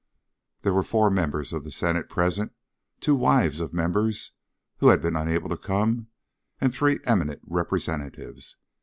There were four members of the Senate present, two wives of members who had been unable to come, and three eminent Representatives.